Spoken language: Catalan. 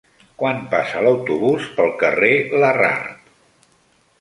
Quan passa l'autobús pel carrer Larrard?